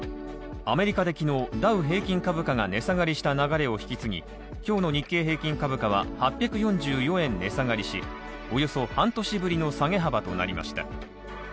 アメリカで昨日、ダウ平均株価が値下がりした流れを引き継ぎ、今日の日経平均株価は８４４円値下がりし、およそ半年ぶりの下げ幅となりました。